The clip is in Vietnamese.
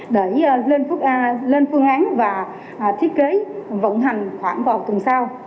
để lên phương án và thiết kế vận hành khoảng vào tuần sau